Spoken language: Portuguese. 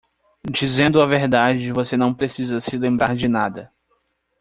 Dizendo a verdade, você não precisa se lembrar de nada.